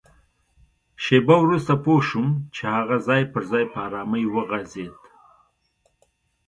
شېبه وروسته پوه شوم چي هغه ځای پر ځای په ارامۍ وغځېد.